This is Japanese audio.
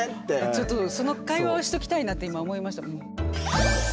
ちょっとその会話をしときたいなって今思いました。